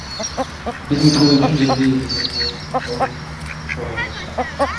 Биз метро үчүн жерди резервге алып койгонбуз.